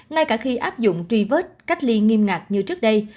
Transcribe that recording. ngay cả khi áp dụng tri vết cách ly nghiêm ngạc như trước đây